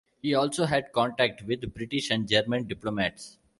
He also had contact with British and German diplomats.